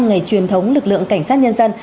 ngày truyền thống lực lượng cảnh sát nhân dân